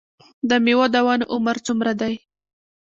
د میوو د ونو عمر څومره دی؟